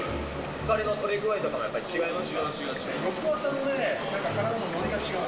疲れの取れ具合とかもやっぱ違う、違う。